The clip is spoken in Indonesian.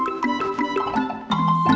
tidur nih sama bola